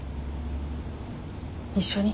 一緒に。